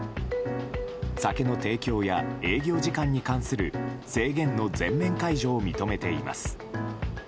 酒の提供や営業時間に関する制限の全面解除を認めています。